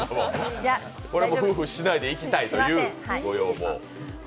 これふーふーしないでいきたいというご要望。